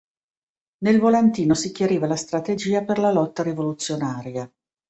Nel volantino si chiariva la strategia per la lotta rivoluzionaria.